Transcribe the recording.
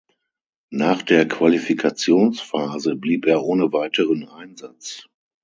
Nach der Qualifikationsphase blieb er ohne weiteren Einsatz.